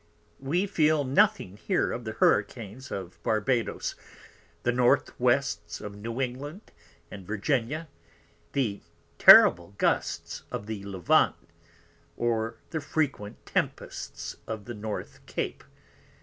We feel nothing here of the Hurricanes of Barbadoes, the North Wests of New England and Virginia, the terrible Gusts of the Levant, or the frequent Tempests of the North Cape.